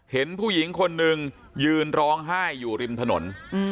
เห็นผู้หญิงคนนึงยืนร้องไห้อยู่ริมถนน